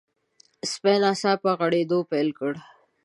سپي ناڅاپه غريدو پيل کړ.